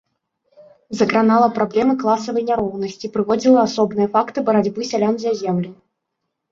Закранала праблемы класавай няроўнасці, прыводзіла асобныя факты барацьбы сялян за зямлю.